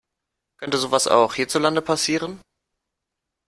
Könnte sowas auch hierzulande passieren?